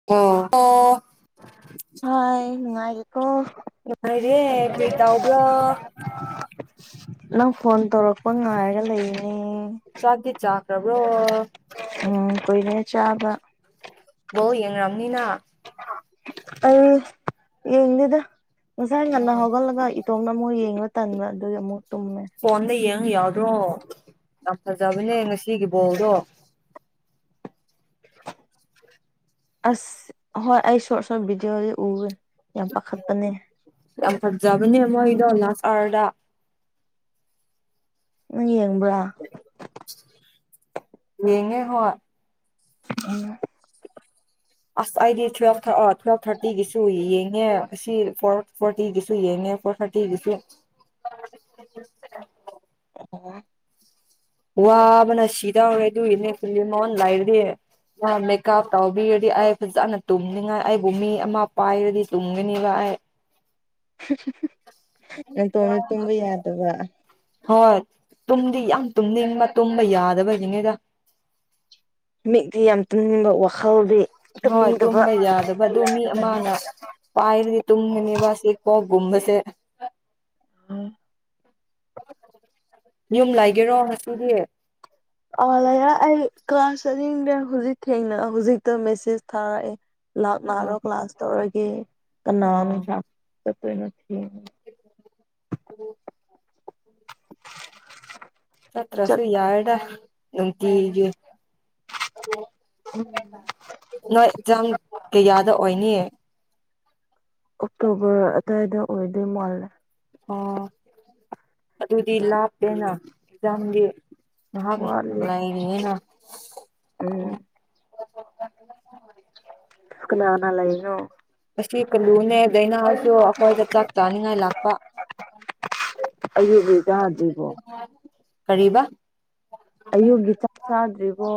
[unintelligible] ꯍꯣꯏ ꯅꯨꯡꯉꯥꯏꯔꯤꯀꯣ ꯅꯨꯡꯉꯥꯏꯔꯦ ꯀ꯭ꯔꯤ ꯇꯧꯕ꯭ꯔꯣ ꯅꯪ ꯐꯣꯟ ꯇꯧꯔꯛꯄ ꯉꯥꯏꯔꯒ ꯂꯩꯅꯦ ꯆꯛꯗꯤ ꯆꯥꯈ꯭ꯔꯕ꯭ꯔꯣ ꯎꯝ ꯀꯨꯏꯔꯦ ꯆꯥꯕ ꯕꯣꯜ ꯌꯦꯡꯔꯝꯅꯤꯅ ꯑꯩ ꯌꯦꯡꯗꯦꯗ ꯉꯁꯥꯏ ꯉꯟꯅ ꯍꯧꯒꯠꯂꯒ ꯏꯇꯣꯝꯅ ꯑꯃꯨꯛ ꯌꯦꯡꯂ ꯇꯟꯕ ꯑꯗꯨꯒꯤ ꯑꯃꯨꯛ ꯇꯨꯝꯃꯦ ꯐꯣꯟꯗ ꯌꯦꯡꯉ ꯌꯥꯗ꯭ꯔꯣ ꯌꯥꯝ ꯐꯖꯕꯅꯦ ꯉꯁꯤꯒꯤ ꯕꯣꯜꯗꯣ ꯑꯁ ꯍꯣꯏ ꯑꯩ ꯁ꯭ꯔꯣꯠ ꯁ꯭ꯔꯣꯠ ꯕꯤꯗꯤꯑꯣꯗꯤ ꯎꯋꯦ ꯌꯥꯝ ꯄꯥꯈꯠꯄꯅꯦ ꯌꯥꯝ ꯐꯖꯕꯅꯦ ꯃꯣꯏꯗꯣ ꯂꯁ ꯑꯥꯔꯗ ꯅꯪ ꯌꯦꯡꯕ꯭ꯔꯥ ꯌꯦꯉꯦ ꯍꯣꯏ [unintelligible] ꯑꯁ ꯑꯩꯗꯤ ꯇꯨꯋꯜꯞ ꯑ ꯇꯨꯋꯦꯜꯞ ꯊꯥꯔꯇꯤꯒꯤꯁꯨ ꯌꯦꯡꯉꯦ ꯁꯤ ꯐꯣꯔ ꯐꯣꯔꯇꯤꯒꯤꯁꯨ ꯌꯦꯡꯉꯦ ꯐꯣꯔ ꯊꯔꯇꯤ ꯒꯤꯁꯨ [unintelligible] ꯑꯣ ꯋꯥꯕꯅ ꯁꯤꯗꯧꯔꯦ ꯑꯗꯨꯒꯤꯅꯦ [unintelligible] ꯂꯥꯏꯔꯗꯤ ꯃꯦꯀꯞ ꯇꯧꯕꯤꯔꯗꯤ ꯑꯩ ꯐꯖꯅ ꯇꯨꯝꯅꯤꯡꯉꯥꯏ ꯑꯩꯕꯨ ꯃꯤ ꯑꯃ ꯄꯥꯏꯔꯗꯤ ꯇꯨꯝꯒꯅꯤꯕ ꯑꯩ ꯅꯇꯣꯟꯗ ꯇꯨꯝꯕ ꯌꯥꯗꯕ ꯍꯣꯏ ꯇꯨꯝꯗꯤ ꯌꯥꯝ ꯇꯨꯝꯅꯤꯡꯕ ꯇꯨꯝꯕ ꯌꯥꯗꯕꯩꯒꯤꯅꯤꯗ ꯃꯤꯠꯗꯤ ꯌꯥꯝ ꯇꯨꯅꯤꯡꯕ ꯋꯥꯈꯜꯗꯤ ꯍꯣꯏ ꯇꯨꯝꯅꯤꯡꯗꯕ ꯇꯨꯝꯕ ꯌꯥꯗꯕ ꯑꯗꯨ ꯃꯤ ꯑꯃꯅ ꯄꯥꯏꯔꯗꯤ ꯇꯨꯝꯒꯅꯤꯕ ꯑꯁꯤ ꯀꯣꯛꯒꯨꯝꯕꯁꯦ ꯎꯝ ꯌꯨꯝ ꯂꯩꯒꯦꯔꯣ ꯉꯁꯤꯗꯤ ꯑꯥ ꯂꯩꯔ ꯑꯩ ꯀ꯭ꯂꯥꯁ ꯆꯠꯅꯤꯡꯗꯦ ꯍꯧꯖꯤꯛ ꯊꯦꯡꯅ ꯍꯧꯖꯤꯛꯇ ꯃꯦꯁꯦꯁ ꯊꯥꯔꯛꯑꯦ ꯑꯣ ꯂꯥꯛꯅꯔꯣ ꯀ꯭ꯂꯥꯁ ꯇꯧꯔꯒꯦ ꯀꯅꯥꯅ ꯑꯣ ꯀ꯭ꯂꯥꯁ ꯆꯠꯇꯣꯏꯅꯣ ꯊꯦꯡꯉꯦ [unintelligible] ꯆꯠꯇ꯭ꯔꯥꯁꯨ ꯆꯠ ꯌꯥꯔꯦꯗ ꯅꯨꯡꯇꯤꯒꯤ ꯅꯣꯏ ꯑꯦꯛꯖꯥꯝ ꯀꯌꯥꯗ ꯑꯣꯏꯅꯤ ꯑꯣꯛꯇꯣꯕꯔ ꯑꯋꯥꯏꯗ ꯑꯣꯏꯗꯣꯏ ꯃꯥꯜꯂꯦ ꯑꯣ ꯑꯗꯨꯗꯤ ꯂꯥꯞꯇꯦꯅ ꯑꯦꯛꯖꯥꯝꯗꯤ ꯉꯍꯥꯛ ꯋꯥꯠꯂꯤ ꯂꯩꯔꯤꯌꯦꯅ ꯎꯝ ꯀꯅꯥꯒ ꯂꯩꯔꯣ ꯑꯁꯤ ꯀꯂꯨꯅꯦ ꯗꯥꯏꯅꯥꯍꯣꯏꯁꯨ ꯑꯩꯈꯣꯏꯗ ꯆꯥꯛ ꯆꯥꯅꯤꯉꯥꯏ ꯂꯥꯛꯄ [unintelligible] ꯑꯩꯒꯤ ꯍꯨꯏꯗꯣ ꯍꯥꯟ [unintelligible] [unintelligible] ꯀꯔꯤꯕꯥ ꯑꯌꯨꯛ ꯒꯤ ꯆꯥꯛ ꯆꯥꯗ꯭ꯔꯤꯕꯣ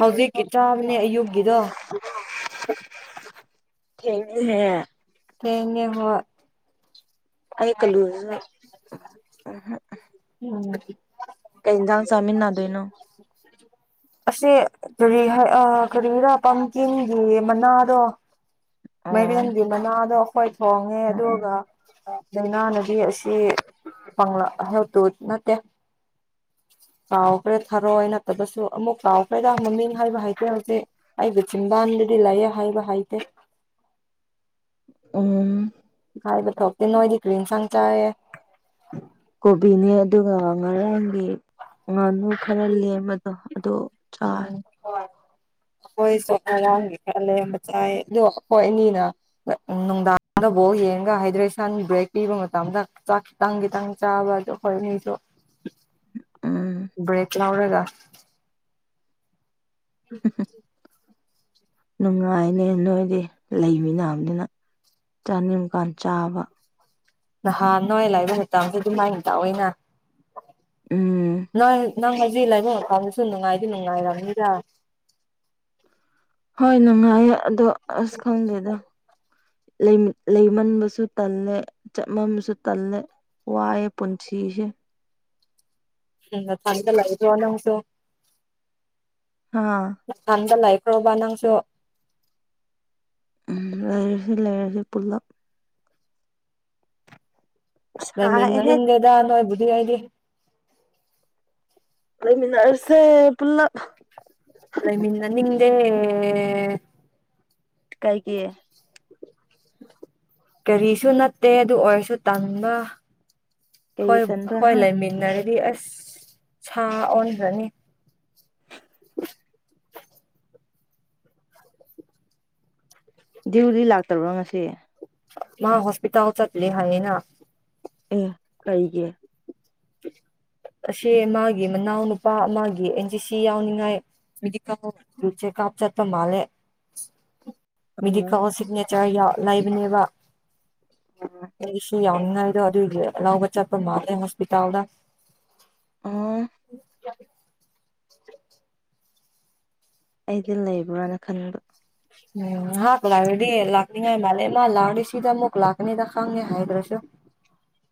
ꯍꯧꯖꯤꯛꯀꯤ ꯆꯥꯕꯅꯦ ꯑꯌꯨꯛꯒꯤꯗꯣ [unintelligible] ꯊꯦꯡꯉꯦꯍꯦ ꯊꯦꯡꯉꯦ ꯍꯣꯏ ꯑꯩ ꯀꯜꯂꯨ ꯅꯪꯅ ꯎꯝꯍꯨꯝꯞ ꯎꯝ ꯀꯩꯥ ꯍꯤꯟꯖꯥꯡ ꯆꯥꯃꯤꯟꯅꯥꯗꯣꯏꯅꯣ ꯑꯁꯤ ꯀꯔꯤ ꯍꯥꯏ ꯑ ꯀꯔꯤꯔ ꯄꯝꯀꯤꯟꯒꯤ ꯃꯅꯥꯗꯣ ꯑꯣ ꯃꯥꯏꯔꯦꯟꯒꯤ ꯃꯅꯥꯗꯣ ꯑꯈꯣꯏ ꯊꯣꯡꯉꯦ ꯑꯗꯨꯒ ꯗꯩꯏꯅꯥꯅꯗꯤ ꯑꯁꯤ ꯄꯥꯡꯂꯛ ꯍꯦꯜꯞ ꯇꯧꯋꯦ ꯅꯠꯇꯦ ꯀꯥꯎꯈ꯭ꯔꯦ ꯊꯔꯣꯏ ꯅꯠꯇꯕꯁꯨ ꯑꯃꯨꯛ ꯀꯥꯎꯈ꯭ꯔꯦꯗ ꯃꯃꯤꯡ ꯍꯥꯏꯕ ꯍꯩꯇꯦ ꯍꯧꯖꯤꯛ ꯑꯩꯒꯤ ꯆꯤꯟꯕꯥꯟꯗꯗꯤ ꯂꯩꯌꯦ ꯍꯥꯏꯕ ꯍꯩꯇꯦ ꯎꯝ ꯍꯥꯏꯕ ꯊꯣꯛꯇꯦ ꯅꯣꯏꯗꯤ ꯀꯔꯤ ꯍꯤꯟꯁꯥꯡ ꯆꯥꯏꯌꯦ ꯀꯣꯕꯤꯅꯦ ꯑꯗꯨꯒ ꯉꯔꯥꯡꯒꯤ ꯉꯥꯅꯨ ꯈꯔ ꯂꯦꯝꯕꯗꯣ ꯑꯗꯨ ꯎꯝ ꯍꯣꯏ ꯑꯩꯈꯣꯏꯁꯨ ꯉꯔꯥꯡꯒꯤ ꯑꯂꯦꯝꯕ ꯆꯥꯏꯌꯦ ꯑꯗꯣ ꯑꯩꯈꯣꯏ ꯑꯅꯤꯅ [unintelligible] ꯅꯨꯡꯗꯥꯡꯗ ꯕꯣꯜ ꯌꯦꯡꯉꯒ ꯍꯥꯏꯗ꯭ꯔꯦꯁꯟ ꯕ꯭ꯔꯦꯛ ꯄꯤꯕ ꯃꯇꯝꯗ ꯆꯥꯛ ꯇꯪ ꯈꯤꯇꯪ ꯆꯥꯕ ꯗꯣ ꯑꯩꯈꯣꯏ ꯑꯅꯤꯁꯨ ꯎꯝ ꯕ꯭ꯔꯦꯛ ꯂꯧꯔꯒ [unintelligible] ꯅꯨꯡꯉꯥꯏꯅꯦ ꯅꯣꯏꯗꯤ ꯂꯩꯃꯤꯅꯕꯅꯤꯅ ꯆꯥꯅꯤꯡꯀꯥꯟ ꯆꯥꯕ ꯅꯍꯥꯟ ꯅꯣꯏ ꯂꯩꯕ ꯃꯇꯝꯗꯤ ꯑꯗꯨꯃꯥꯏꯅ ꯇꯧꯋꯦꯅ ꯎꯝ ꯅꯪ ꯅꯪ ꯍꯧꯖꯤꯛ ꯂꯩꯏꯕ ꯃꯐꯝꯗꯨꯁꯨ ꯅꯨꯡꯉꯥꯏꯗꯤ ꯅꯨꯡꯉꯥꯏꯔꯝꯅꯤꯗꯥ ꯍꯣꯏ ꯅꯨꯡꯉꯥꯏꯌꯦ ꯑꯗꯣ ꯑꯁ ꯈꯪꯗꯦꯗ ꯂꯩ ꯂꯩꯃꯟꯕꯁꯨ ꯇꯜꯂꯦ ꯆꯠꯃꯟꯕꯁꯨ ꯇꯜꯂꯦ ꯋꯥꯏꯌꯦ ꯄꯨꯟꯁꯤꯁꯦ [unintelligible] ꯍꯥꯥ ꯢꯝꯐꯥꯜꯗ ꯂꯩꯈ꯭ꯔꯣꯕ ꯅꯪꯁꯨ ꯂꯩꯔꯁꯤ ꯂꯩꯔꯁꯤ ꯄꯨꯟꯅꯥ ꯁꯥꯏꯍꯦ ꯂꯩꯃꯤꯟꯅꯅꯤꯡꯗꯦꯗ ꯅꯣꯏꯕꯨꯗꯤ ꯑꯩꯗꯤ꯫ ꯂꯩꯃꯤꯟꯅꯔꯁꯦ ꯄꯨꯜꯂꯞ꯫ ꯂꯩꯃꯤꯟꯅꯅꯤꯡꯗꯦ꯫ ꯀꯥꯏꯒꯤ ꯀꯔꯤꯁꯨ ꯅꯠꯇꯦ ꯑꯗꯨ ꯑꯣꯏꯔꯁꯨ ꯇꯟꯕ ꯀꯩꯒꯤ ꯍꯣꯏ ꯇꯟꯕ꯭ꯔꯥ ꯍꯣꯏ ꯍꯥ ꯂꯩꯃꯤꯟꯅꯔꯗꯤ ꯑꯁ ꯁꯥ ꯑꯣꯟꯈ꯭ꯔꯅꯤ ꯗ꯭ꯌꯨꯗꯤ ꯂꯥꯛꯇꯕ꯭ꯔꯣ ꯉꯁꯤꯦ ꯃꯥ ꯍꯣꯁꯄꯤꯇꯜ ꯑꯥꯎ ꯆꯠ ꯂꯩ ꯍꯥꯏꯅꯤꯅ ꯑꯦ ꯀꯩꯒꯤ꯫ ꯑꯁꯦ ꯃꯥꯒꯤ ꯃꯅꯥꯎꯅꯨꯄꯥ ꯃꯥ ꯑꯦꯟꯖꯤ ꯁꯤ ꯌꯥꯎꯅꯤꯡꯉꯥꯏ__ ꯃꯤꯗꯤ ꯀꯦ ꯀꯥꯞ ꯆꯠꯇ ꯃꯥꯂꯦ ꯃꯤꯗꯤ ꯀ ꯎꯝ ꯁꯤꯒꯅꯦꯆꯔ ꯂꯕꯅꯦꯕꯁꯨ ꯌꯥꯎ ꯑꯥꯏ ꯂꯕ ꯆꯄ ꯃꯥꯔꯦ ꯍꯣꯁꯄꯤꯇꯥꯜꯗ ꯑ ꯑꯩꯗꯤ ꯂꯩꯕ꯭ꯔꯥꯅ ꯈꯟꯕ ꯎꯝ ꯍꯥꯥꯛ ꯀ ꯂꯒ ꯂꯥꯛꯀꯅꯤꯉ ꯃꯥꯂꯦ ꯃꯥ ꯂꯥꯡ ꯁꯤꯗ ꯃꯨꯛ ꯂꯥꯛ__ ꯑꯗ ꯈꯥꯎꯅꯤꯦ ꯍꯥꯏꯗ꯭ꯔꯁꯨ꯫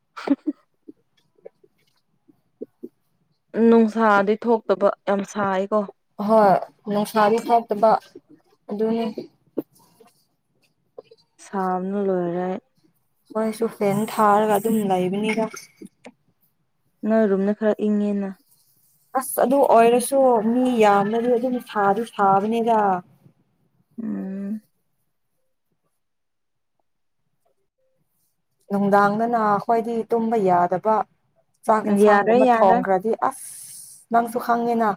[unintelligible] ꯅꯨꯡꯁꯥꯗꯤ ꯊꯣꯛꯇꯕ ꯌꯥꯝ ꯁꯥꯏꯀꯣ꯫ ꯍꯣꯏ ꯅꯨꯡꯁꯥꯗꯤ ꯐꯥꯎꯇꯕ ꯑꯗꯨꯅꯤ ꯁꯥꯕꯅ ꯂꯣꯏꯔꯦ ꯃꯣꯏꯁꯨ ꯐꯦꯟ ꯊꯥꯔꯒ ꯑꯗꯨꯝ ꯂꯩꯕꯅꯤꯔ ꯅꯪ ꯔꯨꯝꯅ ꯈꯔ ꯏꯪꯉꯦꯅ ꯑꯁ ꯑꯗꯨ ꯑꯣꯏꯔꯁꯨ ꯃꯤ ꯌꯥꯝꯅꯗꯤ ꯑꯗꯨꯅ ꯁꯥꯗꯨ ꯁꯥꯕꯅꯦꯗ ꯎꯝ ꯅꯨꯡꯗꯥꯡꯗꯅ ꯑꯩꯈꯣꯏꯗꯤ ꯇꯨꯝꯕ ꯌꯥꯗꯕ ꯆꯥꯛ ꯌꯥꯔꯦ ꯌꯦꯟꯁꯥꯡꯒꯨꯝꯕ ꯌꯥꯔꯦ ꯊꯣꯡꯈ꯭ꯔꯗꯤ ꯑꯁ ꯅꯪꯁꯨ ꯈꯪꯉꯦꯅ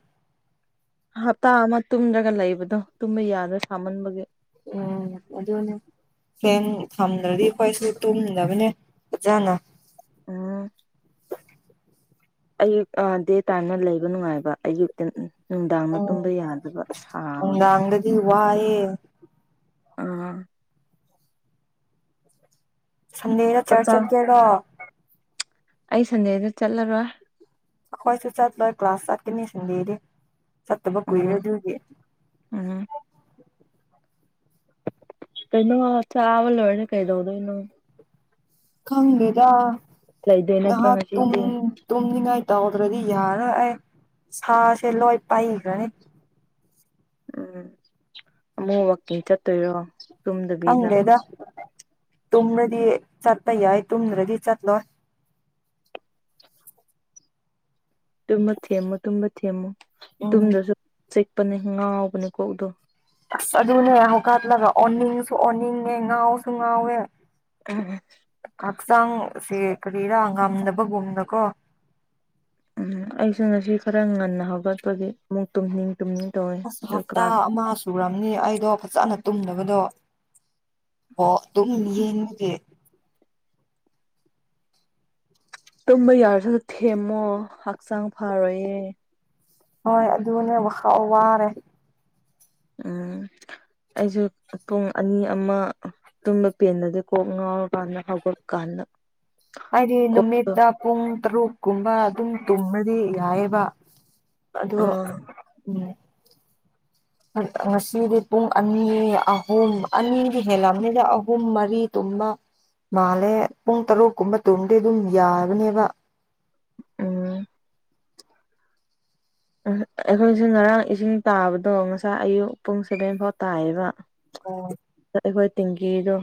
ꯍꯞꯇꯥ ꯑꯃ ꯇꯨꯝꯗ꯭ꯔꯒ ꯂꯩꯕꯗꯣ ꯇꯨꯝꯕ ꯌꯥꯗ꯭ꯔꯣ ꯁꯥꯃꯟꯕꯒꯤ ꯑꯣ ꯑꯗꯨꯗꯅ ꯐꯦꯡ ꯊꯝꯗ꯭ꯔꯗꯤ ꯑꯩꯈꯣꯏꯁꯨ ꯇꯨꯝꯗꯕꯅꯦ ꯐꯖꯅ꯫ ꯎꯝ ꯑꯌꯨꯛ ꯗꯦ ꯇꯥꯏꯝꯅ ꯂꯩꯕ ꯅꯨꯡꯉꯥꯏꯕ ꯑꯌꯨꯛꯇ ꯅꯨꯡꯗꯥꯡꯅ ꯎꯝ ꯇꯨꯝꯕ ꯌꯥꯗꯕ ꯁꯥꯕꯒꯤ ꯅꯨꯡꯗꯥꯡꯗꯗꯤ ꯋꯥꯏꯑꯦ ꯑꯥ ꯁꯨꯟꯗꯦꯗ ꯆꯥꯛ ꯆꯨꯔ ꯆꯥ ꯆꯠꯀꯦꯔꯣ꯫ ꯑꯩ ꯁꯟꯗꯦꯗ ꯆꯠꯂꯔꯣꯏ꯫ ꯑꯩꯈꯣꯏꯁꯨ ꯆꯠꯂꯣꯏ ꯀ꯭ꯂꯥꯁ ꯆꯠꯀꯅꯤ ꯁꯟꯗꯦꯗꯤ ꯆꯠꯇꯕ ꯀꯨꯏꯔꯦ ꯑꯗꯨꯗꯤ꯫ ꯑ ꯀꯩꯅꯣ ꯆꯥꯕ ꯂꯣꯏꯔꯦ ꯀꯩꯗꯧꯗꯨꯏꯅꯣ꯫ ꯈꯪꯗꯦꯗꯥ ꯂꯩꯗꯣꯏ ꯅꯠꯇ꯭ꯔꯣ ꯉꯍꯥꯛ ꯇꯨꯝ__ ꯉꯁꯤꯗꯤ ꯇꯨꯝꯅꯤꯡꯉꯥꯏ ꯇꯧꯗ꯭ꯔꯗꯤ ꯌꯥꯔ ꯑꯩ ꯁꯥꯁꯦ ꯂꯣꯏ ꯄꯥꯏꯈ꯭ꯔꯅꯤ ꯎꯝ ꯑꯃꯨꯛꯃꯀꯤ ꯆꯠꯇꯣꯏꯔꯣ ꯇꯨꯝꯗꯕꯤꯗ ꯈꯪꯗꯦꯗ ꯇꯨꯝꯕ꯭ꯔꯗꯤ ꯆꯠꯄ ꯌꯥꯏ ꯇꯨꯝꯗ꯭ꯔꯗꯤ ꯆꯠꯂꯣꯏ ꯇꯨꯝꯕ ꯊꯦꯝꯃꯨ ꯇꯨꯝꯕ ꯊꯦꯝꯃꯨ ꯎꯝ ꯇꯨꯝꯗ꯭ꯔꯁꯨ ꯆꯤꯛꯄꯅꯦ ꯉꯥꯎꯕꯅꯦ ꯀꯣꯛꯗꯣ ꯑꯁ ꯑꯗꯨꯅꯦ ꯍꯧꯀꯠꯂꯒ ꯑꯣꯟꯅꯤꯡꯁꯨ ꯑꯣꯟꯅꯤꯡꯉꯦ ꯉꯥꯎꯁꯨ ꯉꯥꯎꯋꯦ ꯑ ꯍꯛꯆꯥꯡꯁꯦ ꯀꯔꯤꯔꯥ ꯉꯝꯗꯕꯒꯨꯝꯅꯀꯣ ꯎꯝ ꯑꯩꯁꯨ ꯉꯁꯤ ꯈꯔ ꯉꯟꯅ ꯍꯧꯒꯠꯄꯒꯤ ꯑꯃꯨꯛ ꯇꯨꯝꯅꯤꯡ ꯇꯨꯝꯅꯤꯡ ꯇꯧꯋꯦ ꯑꯗꯨ ꯀ꯭ꯂꯥꯁ__ ꯆꯨꯨꯔꯕꯅꯤ ꯑꯩꯗꯣ ꯐꯖꯅ ꯇꯨꯝꯗꯕꯗꯣ ꯑꯣ ꯇꯨꯝ ꯌꯦꯡꯉꯗꯦ꯫ ꯇꯨꯝꯕ ꯌꯥꯔꯁꯨꯁꯨ ꯊꯦꯝꯃꯣ ꯍꯛꯆꯥꯡ ꯐꯔꯣꯏꯌꯦ ꯍꯣꯏ ꯑꯗꯨꯅꯦ ꯍꯥꯎ ꯋꯥꯔꯦ ꯎ ꯑꯩꯁꯨ ꯄꯨꯡ ꯑꯅꯤ ꯑꯃ ꯇꯨꯝꯕ ꯄꯦꯟꯗꯗꯤꯦ ꯀꯣꯛ ꯉꯥꯎꯔꯀꯥꯟꯗ ꯍꯧꯒꯠꯄ ꯀꯥꯟꯗ ꯍꯥꯏꯗꯤ ꯀꯣꯛꯇꯣ ꯅꯨꯃꯤꯠꯇ ꯄꯨꯡ ꯇꯔꯨꯛꯀꯨꯝꯕ ꯑꯗꯨꯝ ꯇꯨꯝꯃꯗꯤ ꯌꯥꯏꯑꯕ ꯑꯗꯣ ꯑꯥ ꯎꯝ ꯉꯁꯤꯗꯤ ꯄꯨꯡ ꯑꯅꯤ ꯑꯍꯨꯝ ꯑꯅꯤꯗꯤ ꯍꯦꯜꯂꯝꯕꯅꯤꯗ ꯑꯍꯨꯝ ꯃꯔꯤ ꯇꯨꯝꯕ ꯃꯥꯜꯂꯦ ꯄꯨꯡ ꯇꯔꯨꯛ ꯀꯨꯝꯕ ꯇꯨꯔꯗꯤꯦ ꯑꯗꯨꯝ ꯌꯥꯕꯅꯦꯕ ꯎꯝ [unintelligible] ꯑꯩꯈꯣꯏꯁꯦ ꯉꯔꯥꯡ ꯏꯁꯤꯡ ꯇꯥꯕꯗꯣ ꯉꯁꯥꯏ ꯑꯌꯨꯛ ꯄꯨꯡ ꯁꯦꯚꯦꯟ ꯐꯥꯎ ꯇꯥꯏꯌꯦꯕ ꯑꯣ ꯑ ꯑꯩꯈꯣꯏ ꯇꯦꯡꯀꯤꯗꯣ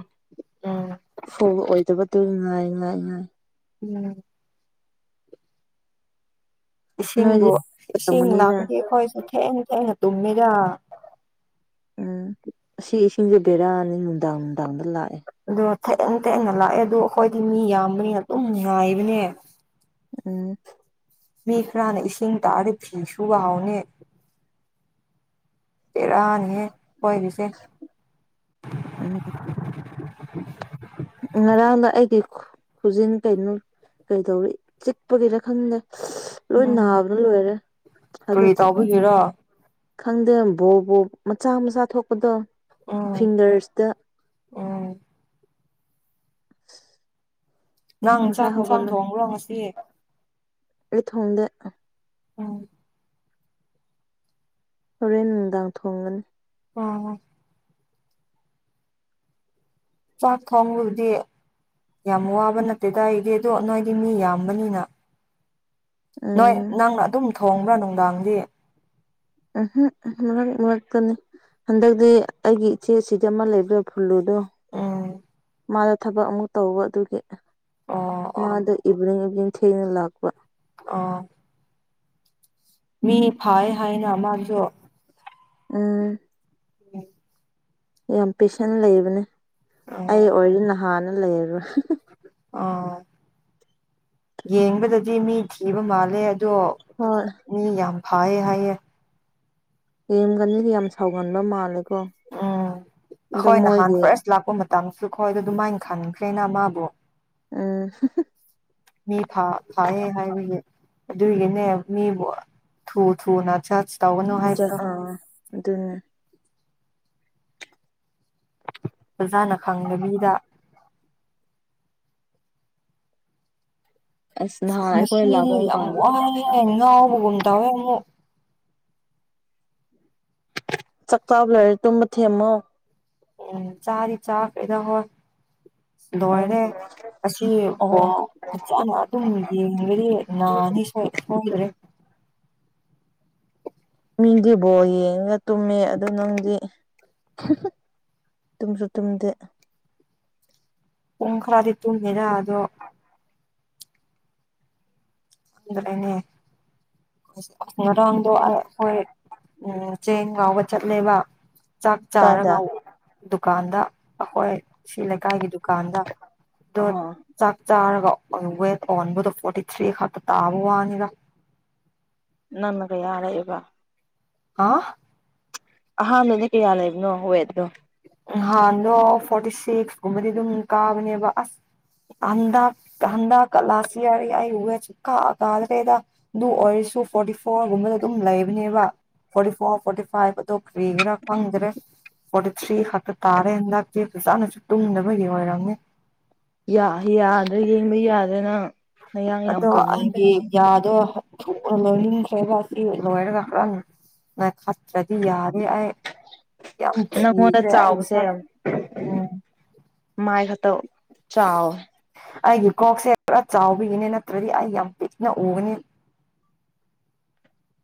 ꯎꯝ ꯐꯨꯕ ꯑꯣꯏꯗꯕꯗꯨ ꯉꯥꯏ ꯉꯥꯏ ꯉꯥꯏ ꯎꯝ ꯅꯣꯏꯗꯤ ꯏꯁꯤꯡꯕꯨ ꯏꯁꯤꯡ ꯇꯝꯒꯅꯤꯅ ꯂꯥꯛꯄꯗꯤ ꯑꯩꯈꯣꯏꯁꯨ ꯊꯦꯡꯅ ꯊꯦꯡꯅ ꯇꯨꯝꯃꯤꯔ ꯎꯝ ꯁꯤ ꯏꯁꯤꯡꯁꯦ ꯕꯦꯔꯥꯑꯅꯤ ꯅꯨꯡꯗꯥꯡ ꯅꯨꯡꯗꯥꯡꯗ ꯂꯥꯛꯑꯦ ꯑꯗꯣ ꯊꯦꯡꯅ ꯊꯦꯡꯅ ꯂꯥꯛꯑꯦ ꯑꯗꯨꯗꯣ ꯑꯩꯈꯣꯏꯗꯤ ꯃꯤ ꯌꯥꯝꯕꯅꯤꯅ ꯑꯗꯨꯝ ꯉꯥꯏꯕꯅꯦ ꯎꯝ ꯃꯤ ꯈꯔꯅ ꯏꯁꯤꯡ ꯇꯥꯔ ꯐꯤꯁꯨ ꯋꯥꯍꯎꯅꯦ ꯇꯔꯥꯅꯤ ꯄꯣꯏꯂꯤꯁꯦ ꯎꯝ ꯎ ꯔꯥꯎꯗ ꯑꯩꯗꯤ ꯈꯨꯖꯤꯟ ꯀꯩꯅꯣ ꯀꯩꯗꯧꯔꯤ ꯆꯤꯛꯄꯒꯤꯔ ꯈꯪꯗꯦ ꯂꯣꯏ ꯎꯝ ꯅꯥꯕꯅ ꯂꯣꯏꯔꯦ ꯀꯔꯤ ꯍꯥꯏꯒꯠꯁꯤ ꯇꯧꯕꯒꯤꯔꯣ ꯈꯪꯗꯦ ꯕꯣ ꯕꯣ ꯃꯆꯥ ꯃꯆꯥ ꯊꯣꯛꯄꯗꯣ ꯎꯝ ꯐꯤꯡꯒꯔꯁꯇ ꯎꯝ ꯉꯍꯥꯡ ꯉꯁꯥꯏ ꯌꯦꯟꯆꯥꯛ ꯏꯟꯁꯥꯡ ꯍꯧꯒꯠꯂꯦ ꯊꯣꯡꯕ꯭ꯔꯣ ꯉꯁꯤ ꯑꯩ ꯊꯣꯡꯗ ꯎꯝ ꯍꯣꯔꯦꯟ ꯅꯨꯡꯗꯥꯡ ꯊꯣꯡꯒꯅꯤ ꯑꯣ ꯆꯥꯛ ꯊꯣꯡꯕꯕꯨꯗꯤ ꯌꯥꯝ ꯋꯥꯕ ꯅꯠꯇꯦꯗꯗꯥꯏꯗꯤ ꯑꯗꯣ ꯅꯣꯏꯗꯤ ꯃꯤ ꯌꯥꯝꯕꯅꯤꯅ ꯅꯣꯏ ꯎꯝ ꯅꯪꯅ ꯑꯗꯨꯝ ꯊꯣꯡꯕ꯭ꯔꯥ ꯅꯨꯡꯗꯥꯡꯗꯤ ꯎꯝꯝ ꯃꯔ ꯇ ꯍꯟꯗꯛꯇꯤ ꯑꯩꯒꯤ ꯏꯆꯦ ꯑꯁꯤꯗ ꯑꯃ ꯂꯩꯕ꯭ꯔꯥ ꯐꯨꯂꯨꯗꯣ ꯎꯝ ꯃꯥꯗ ꯊꯕꯛ ꯑꯃꯨꯛ ꯇꯧꯕ ꯑꯗꯨꯒꯤ ꯑꯣ ꯑꯣ ꯃꯥꯗ ꯏꯚꯤꯅꯤꯡ ꯏꯚꯤꯅꯤꯡ ꯊꯦꯡꯅ ꯂꯥꯛꯄ ꯑꯣ ꯃꯤ ꯐꯥꯏ ꯍꯥꯏꯅ ꯃꯥꯁꯨ ꯎꯝ ꯎ ꯌꯥꯝ ꯄꯦꯁꯦꯟ ꯂꯩꯕꯅꯦ ꯑꯣ ꯑꯩ ꯑꯣꯏꯗꯤ ꯅꯍꯥꯟꯅ ꯂꯩꯔ ꯑꯣ ꯌꯦꯡꯕꯗꯗꯤ ꯃꯤ ꯊꯤꯕ ꯃꯥꯜꯂꯦ ꯑꯗꯣ ꯍꯣꯏ ꯃꯤ ꯌꯥꯝ ꯐꯌꯦ ꯍꯥꯏꯌꯦ ꯌꯦꯦꯝꯒꯅꯤꯗꯤ ꯌꯥꯝ ꯁꯥꯎꯒꯟꯕ ꯃꯥꯜꯂꯦꯀꯣ ꯎꯝ ꯑꯗꯣ ꯑꯩꯣꯏ ꯅꯍꯥꯟ ꯃꯣꯏꯒꯤ ꯐꯥꯔꯁ ꯂꯥꯛꯄ ꯃꯇꯝꯁꯨꯈꯣꯏ ꯑꯗꯨ ꯑꯗꯨꯃꯥꯏꯅ ꯈꯟꯈ꯭ꯔꯦꯅ ꯃꯥꯕꯨ ꯎꯝ ꯃꯤ ꯐꯥꯏꯑ ꯍꯥꯏꯕꯒꯤ ꯑꯗꯨꯒꯤꯅꯦ ꯃꯤꯕꯨ ꯊꯨ ꯊꯨ ꯅꯅꯥꯆꯥꯆ ꯑꯆꯥ ꯑꯥ ꯑꯗꯨ ꯄꯖꯥꯅ ꯈꯪꯗꯕꯤꯗ ꯑꯁ ꯅꯍꯥꯟ ꯑꯩꯈꯣꯏ ꯉꯁꯤꯗꯤ ꯂꯥꯛꯐꯝ ꯌꯥꯝ ꯀꯥꯟꯗ ꯋꯥꯏꯑꯦ ꯉꯥꯎꯕꯒꯨꯝ ꯇꯧꯋꯦ ꯑꯃꯨꯛ ꯆꯥꯛ ꯆꯕ ꯂꯣꯏꯔꯦ ꯇꯨꯝꯕ ꯊꯦꯝꯃꯣ ꯎꯝ ꯆꯥꯔꯤ ꯆꯥꯛ ꯀꯩꯗ ꯍꯣ ꯎꯝ ꯂꯣꯏꯔꯦ ꯑꯁꯤ ꯑꯣ ꯁꯨꯝ ꯌꯦꯡꯕꯗꯤ ꯅꯅꯤ ꯁ ꯁꯣꯏꯗ꯭ꯔꯦ ꯃꯤꯗꯨꯕꯣ ꯌꯦꯡꯉ ꯇꯨꯝꯃꯦ ꯑꯗꯨ ꯅꯪꯗꯤ ꯇꯨꯝ ꯁ ꯇꯨꯝꯗꯦ ꯄꯨꯡ ꯈꯔꯗꯤ ꯇꯨꯝꯉꯦꯗ ꯑꯗꯣ ꯂꯩꯅꯦ ꯉꯔꯥꯡꯗꯣ ꯑꯩꯈꯣꯏ ꯎ ꯆꯦꯡ ꯉꯥꯎꯕ ꯆꯠꯂꯦꯕ ꯆꯥꯛ ꯆꯥꯔ ꯀꯥꯏꯗ ꯉꯥꯎꯕ ꯗꯨꯀꯥꯟꯗ ꯑꯩꯈꯣꯏ ꯁꯤ ꯂꯩꯀꯥꯏꯒꯤ ꯗꯨꯀꯥꯟꯗ ꯗꯣ ꯑꯥ ꯆꯥꯛ ꯆꯥꯔꯒ ꯋꯦꯠ ꯑꯣꯍꯟꯕꯗꯣ ꯐꯣꯔꯇꯤ ꯊ꯭ꯔꯤ ꯈꯛꯇ ꯇꯥꯕ ꯋꯥꯅꯤꯗ ꯅꯝꯃꯒ ꯌꯥꯔꯛꯑꯦꯕ ꯑ ꯑꯍꯥꯟꯕꯗꯤ ꯀꯌꯥ ꯂꯩꯕꯅꯣ ꯋꯦꯗꯣ ꯍꯥꯟꯗꯣ ꯐꯣꯔꯇꯤ ꯁꯤꯛꯁ ꯀꯨꯝꯕꯗꯤ ꯑꯗꯨꯝ ꯀꯥꯕꯅꯦꯕ ꯑꯁ ꯑꯗ ꯀꯗ ꯀꯂꯁꯤꯌꯥ ꯌꯥꯏ ꯎ ꯆ ꯀꯥ ꯀꯥꯗꯔꯦꯗ ꯑꯗꯨ ꯑꯣꯏꯔꯁꯨ ꯐꯣꯔꯇꯤ ꯐꯣꯔꯒꯨꯝꯕꯗ ꯑꯗꯨꯝ ꯂꯩꯕꯅꯦꯕ ꯐꯣꯔꯇꯤ ꯐꯣꯔ ꯐꯣꯔꯇꯤ ꯐꯥꯏꯚ ꯑꯗꯨꯣ ꯐ꯭ꯔꯤꯒꯔ ꯈꯪꯗ꯭ꯔꯦ ꯐꯣꯔꯇꯤ ꯊ꯭ꯔꯤ ꯈꯛꯇ ꯇꯥꯔꯦ ꯍꯟꯗꯛꯇꯁꯦ ꯐꯖꯥꯅꯁꯨ ꯇꯨꯝꯗꯕꯒꯤ ꯑꯣꯏꯔꯝꯃꯤ ꯌꯥ ꯌꯥꯗ꯭ꯔꯥ ꯌꯦꯡꯕ ꯌꯥꯗꯅ ꯑꯗꯣ ꯑꯩꯦ ꯌꯥꯗꯣ ꯊꯣꯛ ꯂꯣꯏꯅꯤꯡꯈ꯭ꯔꯦꯕ ꯑꯁꯤ ꯂꯣꯏꯔꯒ ꯍꯪ ꯃ ꯈꯇ꯭ꯔꯗꯤ ꯌꯥꯔꯦ ꯌꯥꯝ ꯅꯪꯉꯣꯟꯗ ꯊꯤꯈ꯭ꯔꯦ ꯆꯥꯎꯕꯁꯦ ꯑꯩꯁ ꯎꯝ ꯃꯥꯏ ꯈꯛꯇ ꯆꯥꯎ ꯑꯩꯒꯤ ꯀꯣꯛꯁꯦ ꯄꯨꯔ ꯆꯥꯎꯕꯒꯤꯅꯦ ꯅꯠꯇ꯭ꯔꯗꯤ ꯑꯩ ꯌꯥꯝ ꯄꯤꯛꯅ ꯎꯒꯅꯤ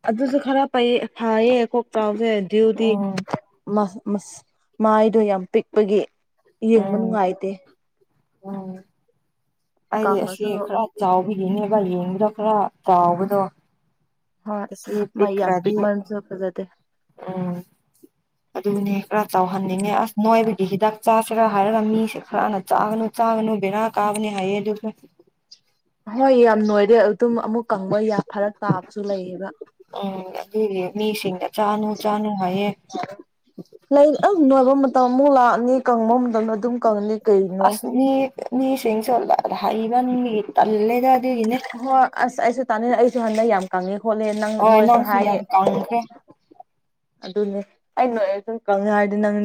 ꯑꯗꯨꯁꯨ ꯈꯔꯩ ꯐꯥꯏꯌꯦ ꯀꯣꯛꯇꯥꯎꯁꯦ ꯑꯗꯨꯎꯗꯤ ꯎꯝ ꯃꯥꯏꯗꯣ ꯌꯥꯝ ꯄꯤꯛꯄꯒꯤ ꯌꯦꯡꯕ ꯎꯝ ꯅꯨꯡꯉꯥꯏꯇꯦ ꯎꯝ ꯀꯪꯂꯉꯁꯨ ꯆꯥꯎꯕꯤꯔꯤꯅꯦꯕ ꯌꯦꯡꯕꯗꯣ ꯈꯔ ꯆꯥꯎꯕꯗꯣ ꯍꯣꯏ ꯑꯁꯤ ꯃꯥꯥꯏ ꯌꯥꯝ ꯄꯤꯛ ꯄꯤꯛꯈ꯭ꯔꯗꯤ ꯃꯟꯁꯨꯄꯦ ꯎꯝ ꯑꯗꯨꯅꯦ ꯈꯔ ꯆꯥꯎꯍꯟꯅꯤꯡꯉꯦ ꯑꯁ ꯅꯣꯏꯕꯨꯗꯤ ꯍꯤꯗꯥꯛ ꯆꯥꯁꯤꯔꯥ ꯍꯥꯏꯔꯒ ꯃꯤꯁꯦ ꯈꯔꯅ ꯆꯥꯒꯅꯨ ꯊꯥꯡꯒꯅꯨ ꯕꯅꯥ ꯀꯥꯕꯅꯤ ꯍꯥꯏꯥꯏꯌꯦ ꯑꯗꯨ ꯍꯣꯏ ꯌꯥꯝ ꯅꯣꯏꯔꯦ ꯑꯗꯨꯝ ꯑꯃꯨꯛ ꯀꯪꯕ ꯌꯥ ꯐꯔꯛ ꯇꯥꯕꯁꯨ ꯂꯩꯌꯦꯕ ꯎꯝ ꯑꯗꯨꯗꯤ ꯃꯤꯁꯤꯡꯗ ꯆꯥꯅꯨ ꯆꯥꯅꯨ ꯍꯥꯏꯌꯦ ꯂꯩ ꯑꯗꯨ ꯅꯣꯏꯕ ꯃꯇꯝ ꯑꯃꯨꯛ ꯂꯥꯛꯑꯅꯤ ꯀꯪꯕ ꯃꯇꯝꯗ ꯑꯗꯨꯝ ꯀꯪꯉꯅꯤ ꯑꯁꯅꯤ ꯃꯤꯁꯤꯡꯦꯡ ꯁꯣꯜꯂꯗ ꯍꯩꯕ ꯅꯤꯡꯒꯤ ꯇꯜꯂꯦꯗ ꯑꯗꯨꯒꯤꯅꯦ ꯍꯣꯏ ꯑꯁ ꯑꯩꯁꯨ ꯇꯥꯅꯤꯡ ꯑꯩꯁꯨ ꯍꯟꯗꯛ ꯌꯥꯝ ꯀꯪꯉꯦ ꯈꯣꯠꯂꯦ ꯅꯪ ꯍꯣꯏ ꯅꯣꯏꯁꯨ ꯅꯪꯁꯨ ꯍꯥꯏꯌꯦ ꯌꯥꯝ ꯀꯪꯈ꯭ꯔꯦ ꯑꯗꯨꯅꯦ ꯑꯩ ꯅ ꯑꯗꯨꯝ ꯀꯪꯉ ꯍꯥꯏꯗꯤ ꯅꯪ